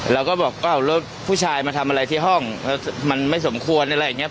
เราก็บอกก็เอารถผู้ชายมาทำอะไรที่ห้องมันไม่สมควรอะไรอย่างนี้